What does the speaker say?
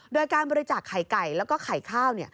โดยการบริจาคไข่ไก่แล้วก็ไข่ข้าว